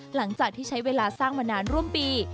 หลังจากที่ใช้เวลาสร้างมานานร่วมปี